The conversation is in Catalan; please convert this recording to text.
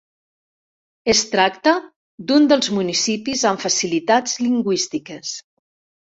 Es tracta d'un dels municipis amb facilitats lingüístiques.